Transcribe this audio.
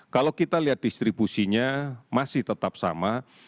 kalau kita lihat distribusinya masih tetap sama